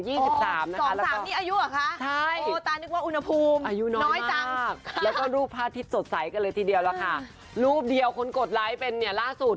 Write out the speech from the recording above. หน่อยจังแล้วก็รูปพาทิศสดใสกันเลยทีเดียวแล้วค่ะรูปเดียวคนกดไลค์เป็นเนี้ยล่าสุด